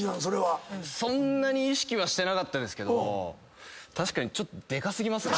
そんなに意識はしてなかったですけど確かにちょっと。